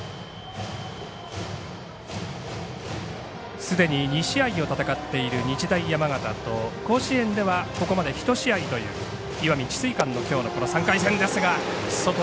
すでに２試合を戦っている日大山形と甲子園ではここまで１試合という石見智翠館のきょうのこの３回戦です。